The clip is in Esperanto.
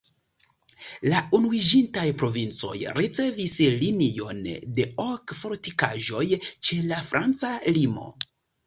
La Unuiĝintaj Provincoj ricevis linion de ok fortikaĵoj ĉe la franca limo.